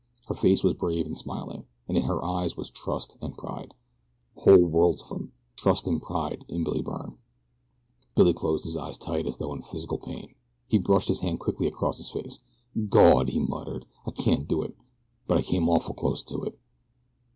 Her face was brave and smiling, and in her eyes was trust and pride whole worlds of them. Trust and pride in Billy Byrne. Billy closed his eyes tight as though in physical pain. He brushed his hand quickly across his face. "Gawd!" he muttered. "I can't do it but I came awful close to it."